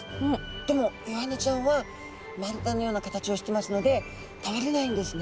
でもイワナちゃんは丸太のような形をしてますので倒れないんですね。